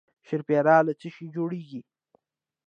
شیرپیره له څه شي جوړیږي؟